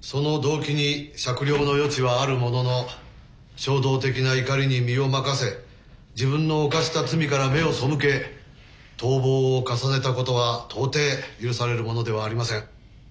その動機に酌量の余地はあるものの衝動的な怒りに身を任せ自分の犯した罪から目を背け逃亡を重ねたことは到底許されるものではありません。